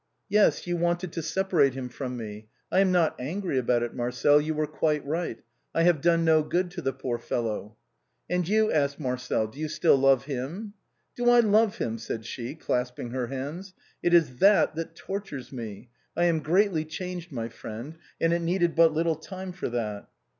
" Yes, you wanted to separate him from me. I am not angry about it. Marcel, you were quite right, I have done no good to the poor fellow." "And you," asked Marcel, " do you still love him ?"" Do I love him ?" said she, clasping her hands. " It is that that tortures me. I am greatly changed, my friend, and it needed but little time for that."